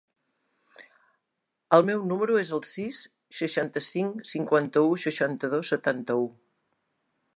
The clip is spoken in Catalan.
El meu número es el sis, seixanta-cinc, cinquanta-u, seixanta-dos, setanta-u.